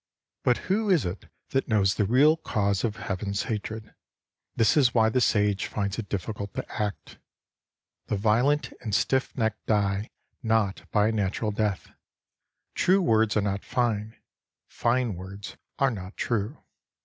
But who is it that knows the real cause of Heaven's hatred ? This is why the Sage finds it difficult to act. The violent and stiff necked die not by a natural death. True words are not fine ; fine words are not true.